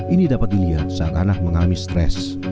ini dapat dilihat saat anak mengalami stres